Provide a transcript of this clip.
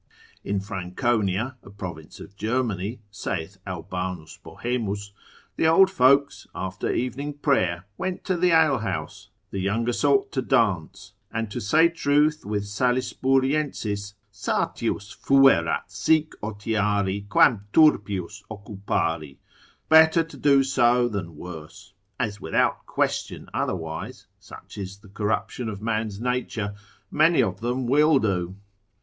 In Franconia, a province of Germany, (saith Aubanus Bohemus) the old folks, after evening prayer, went to the alehouse, the younger sort to dance: and to say truth with Salisburiensis, satius fuerat sic otiari, quam turpius occupari, better to do so than worse, as without question otherwise (such is the corruption of man's nature) many of them will do.